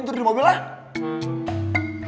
ini hadiah buat anak ghost